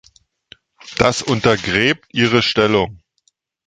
Das untergräbt ihre Stellung.